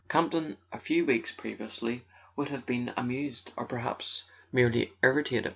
Campton, a few weeks previously, would have been amused, or perhaps merely irritated.